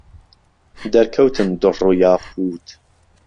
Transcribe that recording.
دهرکهوتن دوڕڕ و یاقووت